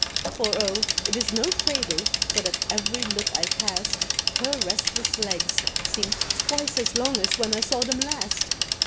For oh! it is no fable, but at ev'ry look I cast, Her restless legs seem'd twice as long as when I saw them last!